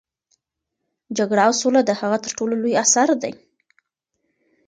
جګړه او سوله د هغه تر ټولو لوی اثر دی.